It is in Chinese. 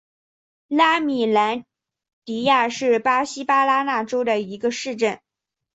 拉米兰迪亚是巴西巴拉那州的一个市镇。